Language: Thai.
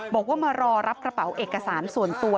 บอกว่ามารอรับกระเป๋าเอกสารส่วนตัว